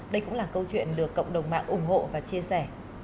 đây cũng là câu chuyện được cộng đồng mạng ủng hộ và chia sẻ